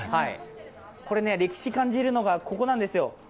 これ歴史を感じるのが、ここなんですよ。